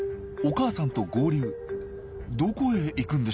どこへ行くんでしょう？